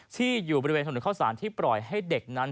ที่อยู่บริเวณถนนเข้าสารที่ปล่อยให้เด็กนั้น